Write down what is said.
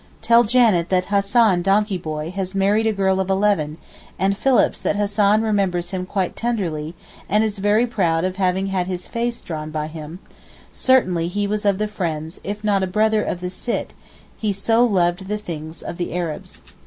Tell Janet that Hassan donkey boy, has married a girl of eleven, and Phillips that Hassan remembers him quite tenderly and is very proud of having had his 'face' drawn by him, 'certainly he was of the friends if not a brother of the Sitt, he so loved the things of the Arabs.